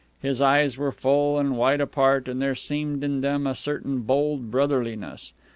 His eyes were full and wide apart, and there seemed in them a certain bold brotherliness.